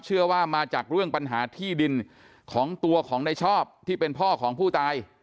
เชื่อว่ามาจากเรื่องปัญหาที่ดินของตัวของในชอบที่เป็นพ่อของผู้ตาย